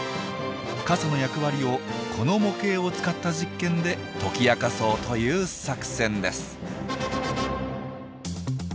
傘の役割をこの模型を使った実験で解き明かそうという作戦です。